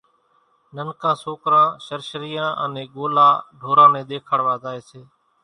ننڪان سوڪران شرشريان انين ڳولا ڍوران نين ۮيکاڙوا زائي سي